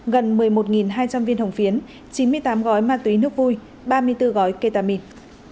gần một mươi một hai trăm linh viên hồng phiến chín mươi tám gói ma túy nước vui ba mươi bốn gói ketamin